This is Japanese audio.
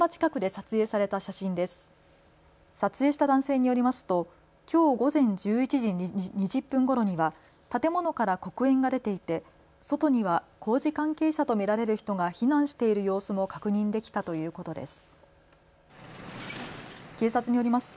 撮影した男性によりますときょう午前１１時２０分ごろには建物から黒煙が出ていて外には工事関係者と見られる人が避難している様子も確認できたということです。